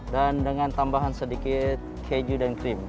dan dengan tambahan sedikit keju dan krim